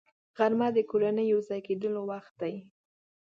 غرمه د کورنۍ یو ځای کېدلو وخت دی